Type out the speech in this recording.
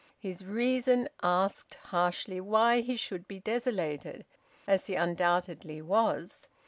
His reason asked harshly why he should be desolated, as he undoubtedly was.